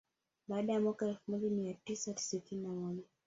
Baada ya mwaka elfu moja mia tisa sitini na moja